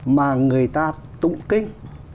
mà người ta tụng kinh